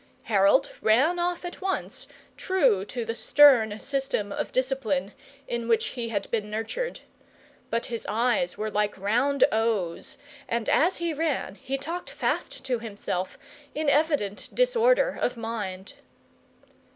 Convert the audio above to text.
Harold ran off at once, true to the stern system of discipline in which he had been nurtured. But his eyes were like round O's, and as he ran he talked fast to himself, in evident disorder of mind.